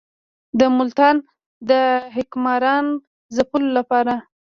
د ملتان د حکمران ځپلو لپاره.